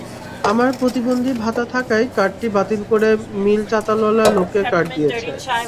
আমার প্রতিবন্ধী ভাতা থাকায় কার্ডটি বাতিল করে মিল চাতালওয়ালা লোককে কার্ড দিয়েছে।